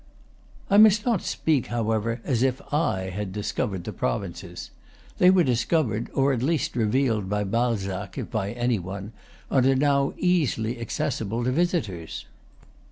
I must not speak, however, as if I had discovered the provinces. They were discovered, or at least re vealed by BaIzac, if by any one, and are now easily accessible to visitors.